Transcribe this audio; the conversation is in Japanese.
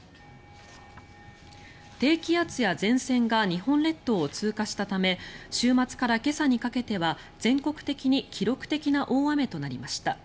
低気圧や前線が日本列島を通過したため週末から今朝にかけては全国的に記録的な大雨となりました。